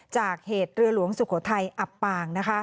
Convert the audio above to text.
จากเหตุเรือหลวงสุโขทัยอับปาง